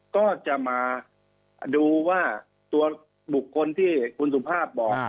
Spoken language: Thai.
ก็จะมาดูว่าตัวบุคคลที่คุณสุภาพบอก